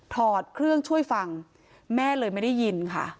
ถอดเครื่องช่วยฟังแม่เลยไม่ได้ยินค่ะ